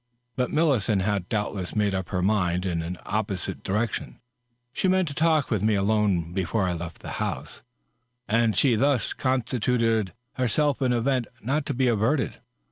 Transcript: But Millicent had doubtless made up her mind in an opposite direction. Sh# meant to talk with me alone before I left the house, and she thus constituticd herself an event not to be averted.